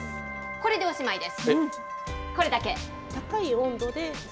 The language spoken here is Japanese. これでおしまいです。